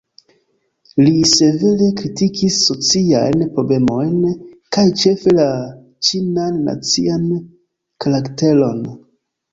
Li severe kritikis sociajn problemojn kaj ĉefe la "ĉinan nacian karakteron".